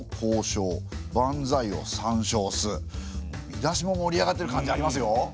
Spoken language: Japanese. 見出しも盛り上がってる感じありますよ。